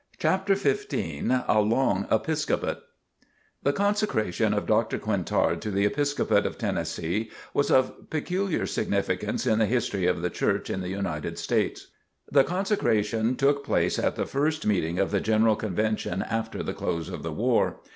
CHAPTER XV A LONG EPISCOPATE The consecration of Dr. Quintard to the Episcopate of Tennessee was of peculiar significance in the history of the Church in the United States. The consecration took place at the first meeting of the General Convention after the close of the war.